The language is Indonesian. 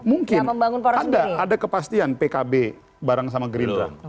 mungkin ada kepastian pkb bareng sama gerindra